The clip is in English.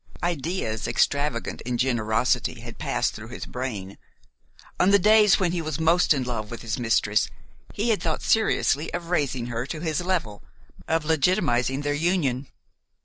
Ideas extravagant in generosity had passed through his brain; on the days when he was most in love with his mistress he had thought seriously of raising her to his level, of legitimizing their union.